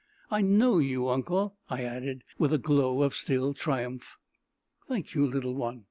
I know you, uncle!" I added, with a glow of still triumph. "Thank you, little one!"